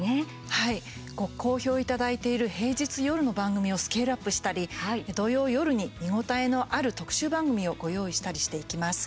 はい、ご好評いただいている平日、夜の番組をスケールアップしたり土曜、夜に見応えのある特集番組をご用意したりしていきます。